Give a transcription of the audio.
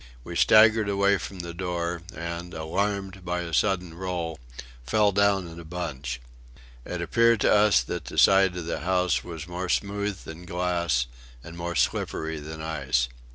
We staggered away from the door, and, alarmed by a sudden roll, fell down in a bunch. It appeared to us that the side of the house was more smooth than glass and more slippery than ice.